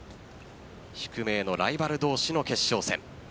宿命のライバル同士の決勝戦。